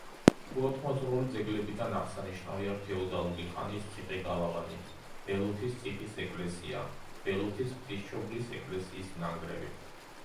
ხუროთმოძღვრული ძეგლებიდან აღსანიშნავია ფეოდალური ხანის ციხე-გალავანი, ბელოთის ციხის ეკლესია, ბელოთის ღვთისმშობლის ეკლესიის ნანგრევი.